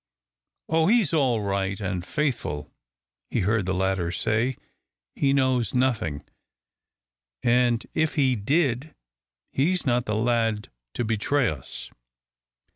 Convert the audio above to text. "Oh, he's all right and faithful!" he heard the latter say. "He knows nothing, and if he did, he's not the lad to betray us!"